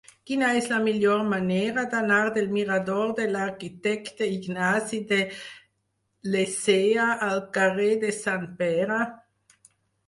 Quina és la millor manera d'anar del mirador de l'Arquitecte Ignasi de Lecea al carrer de Sant Pere?